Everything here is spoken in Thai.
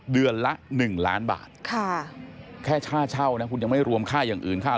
เดือนละ๑ล้านบาทค่ะแค่ค่าเช่านะคุณยังไม่รวมค่าอย่างอื่นค่า